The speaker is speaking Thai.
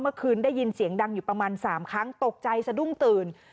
ได้ยินเสียงดังอยู่ประมาณ๓ครั้งตกใจสะดุ้งตื่น